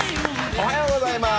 おはようございます。